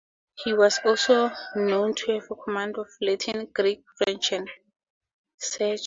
He was also known to have a command of Latin, Greek, French and Czech.